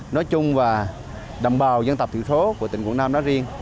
nói chung và đồng bào dân tộc thiểu số của tỉnh quảng nam đó riêng